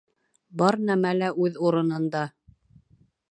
Бар нәмә лә үҙ урынында.